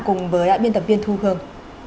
cùng với biên tập viên thu hương